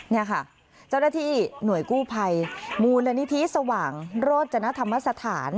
นี่ค่ะเจ้าหน้าที่หน่วยกู้ภัยมูลนิธิสว่างโรจนธรรมสถาน